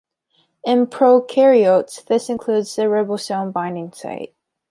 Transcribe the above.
In prokaryotes this includes the ribosome binding site.